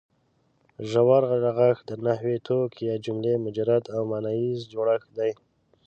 ژور رغښت د نحوي توک یا جملې مجرد او ماناییز جوړښت دی.